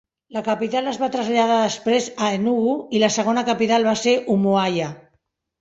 La capital es va traslladar després a Enugu i la segona capital va ser Umuahia.